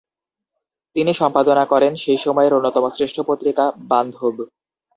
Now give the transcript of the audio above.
তিনি সম্পাদনা করেন সেই সময়ের অন্যতম শ্রেষ্ঠ পত্রিকা "বান্ধব"।